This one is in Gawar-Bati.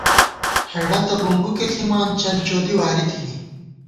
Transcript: ہېڑہ تہ بُمبُکےݪِمان چلچودی واری تھنی